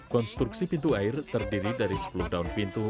konstruksi pintu air terdiri dari sepuluh daun pintu